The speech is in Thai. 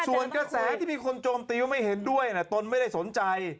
ส่วนกระแสที่มีคนโจมตีว่าไม่เห็นด้วยตนไม่ได้สนใจ